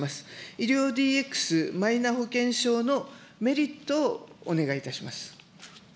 医療ＤＸ、マイナ保険証のメリットをお願いいたします。